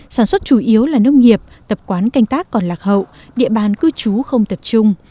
sản xuất chủ yếu là nông nghiệp tập quán canh tác còn lạc hậu địa bàn cư trú không tập trung